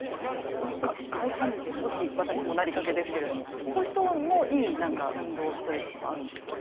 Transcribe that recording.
外反ぼし、私もなりかけですけど、そういう人もいい運動、ストレッチがあるんでしょうか。